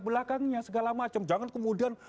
belakangnya segala macam jangan kemudian